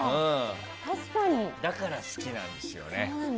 だから、好きなんですよね。